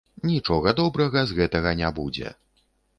Нічога добрага з гэтага не будзе.